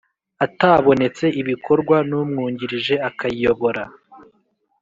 Atabonetse bikorwa n umwungirije akayiyobora